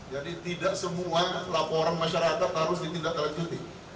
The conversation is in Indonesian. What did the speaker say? jadi tidak semua laporan masyarakat harus ditindak lanjuti